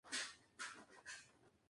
Les Granges-le-Roi